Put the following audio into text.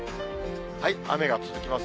雨が続きます。